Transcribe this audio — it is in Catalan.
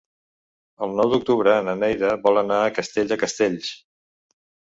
El nou d'octubre na Neida vol anar a Castell de Castells.